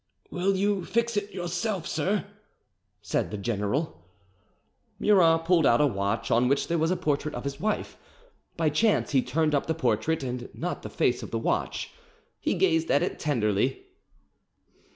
"Will you fix it yourself, sir?" said the general. Murat pulled out a watch on which there was a portrait of his wife; by chance he turned up the portrait, and not the face of the watch; he gazed at it tenderly.